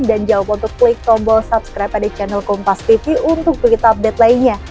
dan jangan lupa untuk klik tombol subscribe pada channel kompastv untuk berita update lainnya